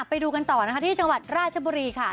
ไปดูกันต่อนะคะที่จังหวัดราชบุรีค่ะ